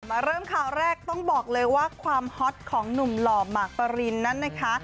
มาเริ่มข่าวแรกต้องบอกเลยว่าความฮอตของหนุ่มหล่อหมากปรินนั้นนะคะ